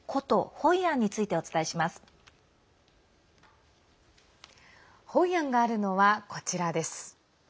ホイアンがあるのはこちらです。